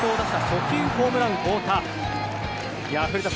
初球ホームラン、太田。